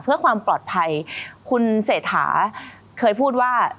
เพื่อความปลอดภัยคุณเศรษฐาเคยพูดว่า